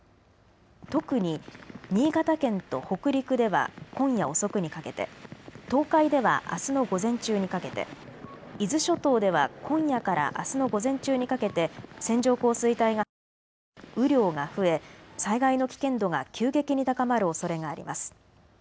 特に新潟県と北陸では今夜遅くにかけて、東海ではあすの午前中にかけて、伊豆諸島では今夜からあすの午前中にかけて線状降水帯が発生して雨量が増え災害の危険度が急激に高まるおそれがあります。